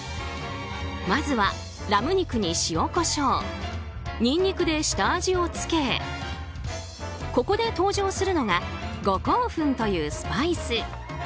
まずは、ラム肉に塩、コショウニンニクで下味をつけここで登場するのが五香粉というスパイス。